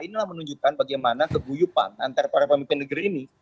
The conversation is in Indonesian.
inilah menunjukkan bagaimana keguyupan antara para pemimpin negeri ini